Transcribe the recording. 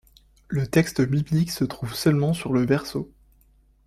Le texte biblique se trouve seulement sur le verso.